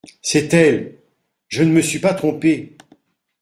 C’est elle ! je ne me suis pas trompé !